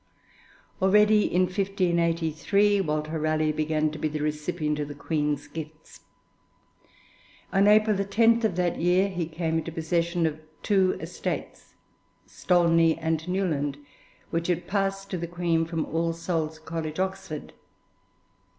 Already, in 1583, Walter Raleigh began to be the recipient of the Queen's gifts. On April 10 of that year he came into possession of two estates, Stolney and Newland, which had passed to the Queen from All Souls College, Oxford.